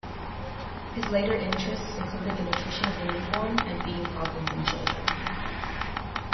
His later interests included the nutrition of the newborn and feeding problems in children.